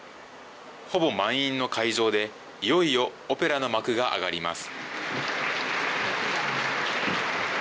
ほぼ満員の会場で、いよいよオペラの幕が上がります。